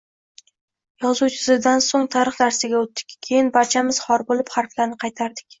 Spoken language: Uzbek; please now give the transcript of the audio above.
Yozuvchizuvdan so`ng tarix darsiga o`tdik; keyin barchamiz xor bo`lib, harflarni qaytardik